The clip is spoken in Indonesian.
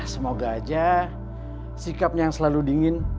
semoga aja sikapnya yang selalu dingin